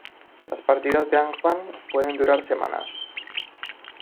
Las partidas de "Angband" pueden durar semanas.